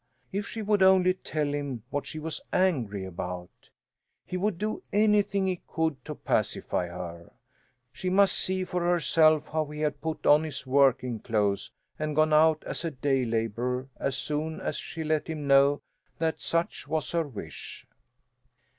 If she would only tell him what she was angry about! He would do anything he could to pacify her. She must see for herself how he had put on his working clothes and gone out as a day labourer as soon as she let him know that such was her wish.